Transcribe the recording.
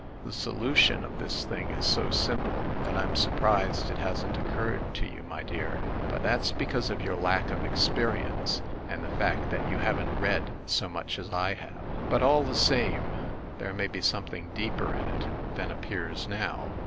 "The solution of this thing is so simple that I'm sur prised it hasn't occurred to you, my dear. But that's because of your lack of experience and the fact that you haven't read so much as I have. But, all the same, there may be something deeper in it than appears now.